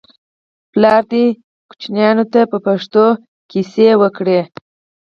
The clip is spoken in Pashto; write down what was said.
پلار دې ماشومانو ته په پښتو کیسې وکړي.